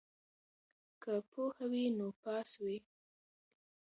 که پوهه وي نو پاس وي.